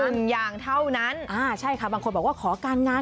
หนึ่งอย่างเท่านั้นอ่าใช่ค่ะบางคนบอกว่าขอการงาน